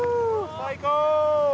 最高。